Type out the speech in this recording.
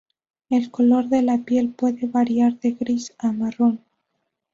El color de la piel puede variar de gris a marrón.